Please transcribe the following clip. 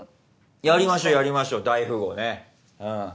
やりましょうやりましょう大富豪ねうん。